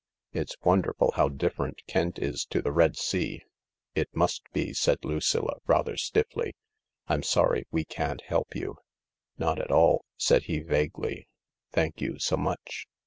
It's wonderful how different Kent is to the Red Sea." " It must be," said Lucilla, rather stiffly. " I'm sorry we can't help you." " Not at all," said he vaguely. " Thank you so much."